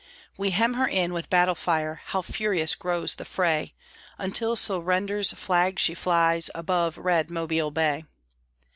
We hem her in with battle fire How furious grows the fray, Until Surrender's flag she flies Above red Mobile Bay.